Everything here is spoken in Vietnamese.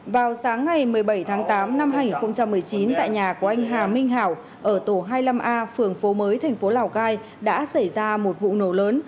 vào sáng ngày một mươi bảy tháng tám năm hai nghìn một mươi chín tại nhà của anh hà minh hảo ở tổ hai mươi năm a phường phố mới thành phố lào cai đã xảy ra một vụ nổ lớn